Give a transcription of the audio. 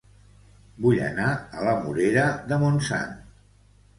Vull anar a La Morera de Montsant